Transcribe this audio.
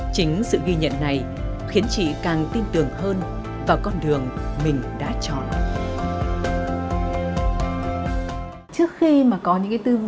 chính sự ghi nhận này khiến chị càng tin tưởng hơn vào con đường mình đã chọn